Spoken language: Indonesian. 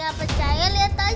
gak percaya liat aja sana